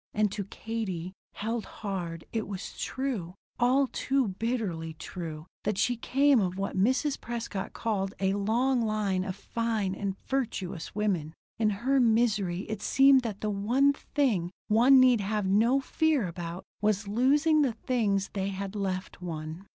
And to Katie, held hard, it was true, all too bitterly true, that she came of what Mrs. Prescott called a long line of fine and virtuous women. In her misery it seemed that the one thing one need have no fear about was losing the things they had left one.